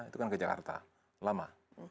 itu kan ke jakarta lama